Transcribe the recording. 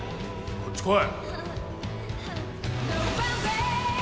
こっち来い。